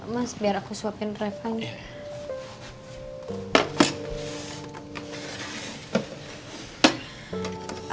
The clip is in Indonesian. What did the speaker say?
mas biar aku suapin privanya